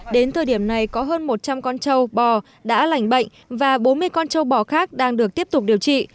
đến thời điểm này có hơn một trăm linh con trâu bò đã lành bệnh và bốn mươi con châu bò khác đang được tiếp tục điều trị